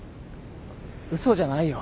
嘘じゃないよ。